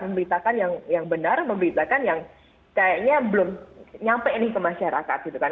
memberitakan yang benar memberitakan yang kayaknya belum nyampe nih ke masyarakat gitu kan